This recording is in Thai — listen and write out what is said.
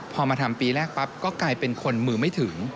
พอมาทำปีแรกปั๊บก็กลายเป็นคนมือไม่ถึง